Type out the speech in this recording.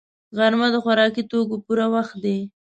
غرمه د خوراکي توکو پوره وخت دی